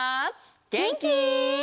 げんき？